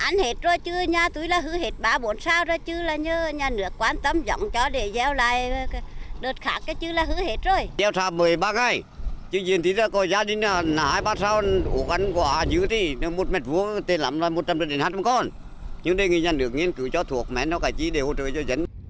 nhiều người dân được nghiên cứu cho thuộc mấy nó cả chỉ để hỗ trợ cho dân